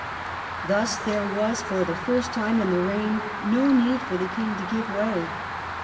Thus there was for the first time in the reign no need for the king to give way.